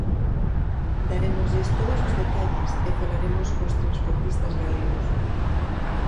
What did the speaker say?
Darémoslles todos os detalles e falaremos cos transportistas galegos.